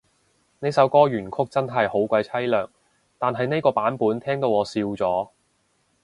呢首歌原曲真係好鬼淒涼，但係呢個版本聽到我笑咗